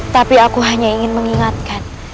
tapi aku hanya ingin mengingatkan